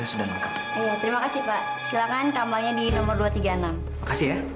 jadi baiklah pak